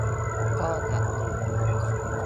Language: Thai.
ก็หนักอยู่